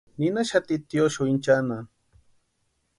Ninhaxati tiosïo inchanhani.